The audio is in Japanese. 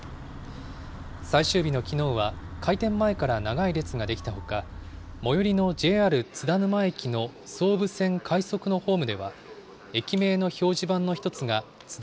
最終日のきのうは、開店前から長い列が出来たほか、最寄りのＪＲ津田沼駅の総武線快速のホームでは、駅名の表示板の１つがつだ